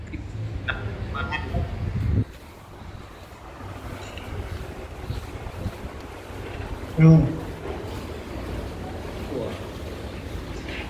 He has five children.